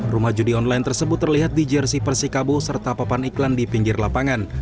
rumah judi online tersebut terlihat di jersi persikabo serta papan iklan di pinggir lapangan